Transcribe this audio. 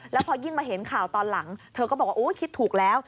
แล้วพอยิ่งมาเห็นข่าวตอนหลังเธอก็บอกว่าคิดถูกแล้ว